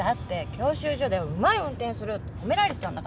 教習所ではうまい運転するってほめられてたんだから。